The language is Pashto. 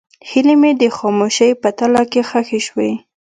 هیلې مې د خاموشۍ په تله کې ښخې شوې.